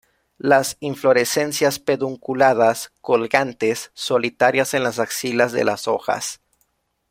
Las inflorescencias pedunculadas, colgantes, solitarias en las axilas de las hojas.